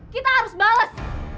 kita harus bales